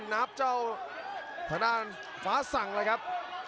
หัวจิตหัวใจแก่เกินร้อยครับ